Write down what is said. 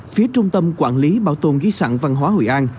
phía trung tâm quản lý bảo tồn di sản văn hóa hội an